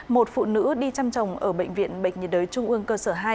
một phụ nữ đi chăm trồng ở bệnh viện bệnh nhiệt đới trung ương cơ sở hai